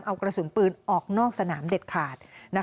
เอากระสุนปืนออกนอกสนามเด็ดขาด